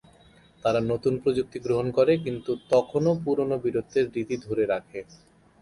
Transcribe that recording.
তারা নতুন প্রযুক্তি গ্রহণ করে, কিন্তু তখনও পুরনো বীরত্বের রীতি ধরে রাখে।